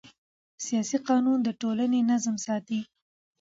سیاسي قانون د ټولنې نظم ساتي